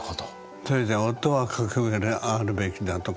それで夫はかくあるべきだとか。